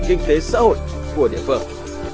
kinh tế xã hội của địa phương